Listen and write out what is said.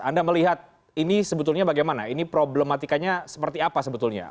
anda melihat ini sebetulnya bagaimana ini problematikanya seperti apa sebetulnya